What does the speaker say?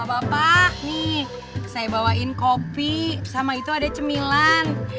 bapak bapak nih saya bawain kopi sama itu ada cemilan